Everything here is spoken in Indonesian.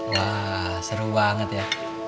wah seru banget ya